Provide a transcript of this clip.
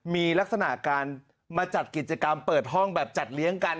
มีลักษณะการมาจัดกิจกรรมเปิดห้องแบบจัดเลี้ยงกัน